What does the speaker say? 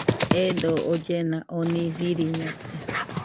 Eedo ollena oni siriñote.